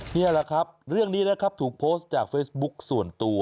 นี่แหละครับเรื่องนี้นะครับถูกโพสต์จากเฟซบุ๊คส่วนตัว